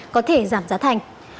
có thể giảm giá thành